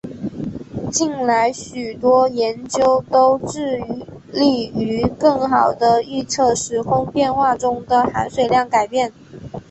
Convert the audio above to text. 近来许多研究都致力于更好地预测时空变化中的含水量改变。